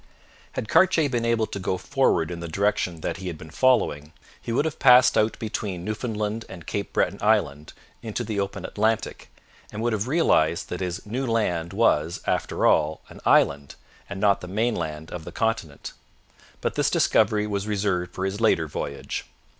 Had Cartier been able to go forward in the direction that he had been following, he would have passed out between Newfoundland and Cape Breton island into the open Atlantic, and would have realized that his New Land was, after all, an island and not the mainland of the continent. But this discovery was reserved for his later voyage.